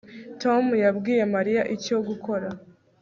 Tom yabwiye Mariya icyo gukora